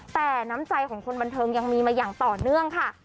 แต่น้ำใจของคนบันเทิงยังมีมาอย่างต่อเนื่องค่ะ